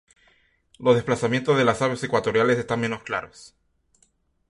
Los desplazamientos de las aves ecuatoriales están menos claros.